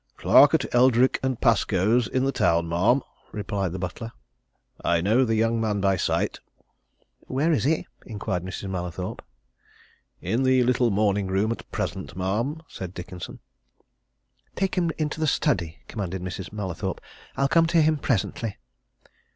"Clerk at Eldrick & Pascoe's, in the town, ma'am," replied the butler. "I know the young man by sight." "Where is he?" inquired Mrs. Mallathorpe. "In the little morning room, at present, ma'am," said Dickenson. "Take him into the study," commanded Mrs. Mallathorpe. "I'll come to him presently."